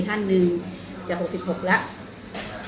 ท่านหนึ่งจะ๖๖แล้ว